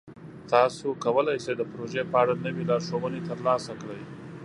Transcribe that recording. تاسو کولی شئ د پروژې په اړه نوې لارښوونې ترلاسه کړئ.